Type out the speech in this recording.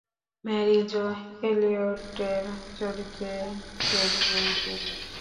Mary Jo এলিয়টের চরিত্রে Cheri ওটেরি।